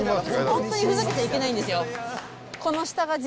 本当にふざけたらいけないんですよ。